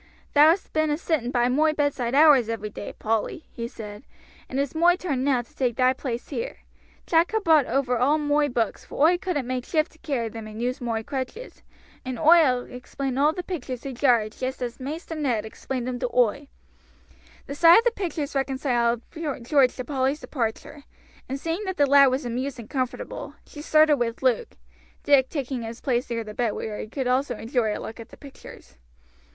"Thou hast been a sitting by moi bedside hours every day, Polly," he said, "and it's moi turn now to take thy place here. Jack ha' brought over all moi books, for oi couldn't make shift to carry them and use moi crutches, and oi'll explain all the pictures to Jarge jest as Maister Ned explained 'em to oi." The sight of the pictures reconciled George to Polly's departure, and seeing the lad was amused and comfortable, she started with Luke, Dick taking his place near the bed, where he could also enjoy a look at the pictures.